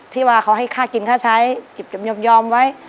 ที่ว่าเขาให้ค่ากินค่าใช้เก็บยอมไว้